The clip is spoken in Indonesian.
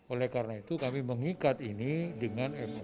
oleh karena itu kami mengikat ini dengan mui